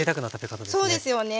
そうですよね。